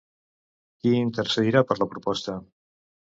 Qui intercedirà per la proposta?